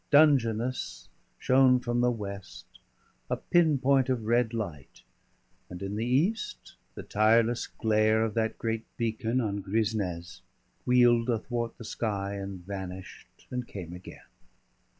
Dungeness shone from the west a pin point of red light, and in the east the tireless glare of that great beacon on Gris nez wheeled athwart the sky and vanished and came again.